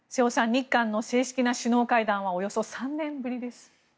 日韓の正式な首脳会談はおよそ３年ぶりです。